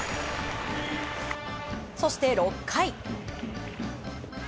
そして６回。